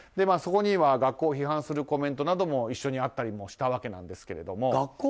そこには学校を批判するコメントなども一緒にあったりもしたわけですが。